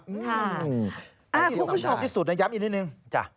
คุณผู้ชอบที่สุดนะย้ำอีกนิดหนึ่ง